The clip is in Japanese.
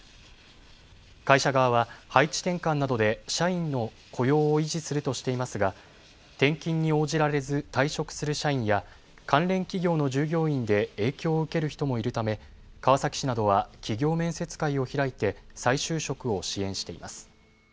会社側は配置転換などで社員の雇用を維持するとしていますが転勤に応じられず退職する社員や関連企業の従業員で影響を受ける人もいるため川崎市などは企業面接会を開いて再就職を支援しています。